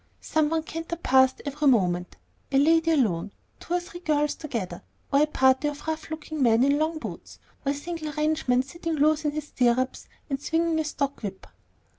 Some one cantered past every moment, a lady alone, two or three girls together, or a party of rough looking men in long boots, or a single ranchman sitting loose in his stirrups, and swinging a stock whip.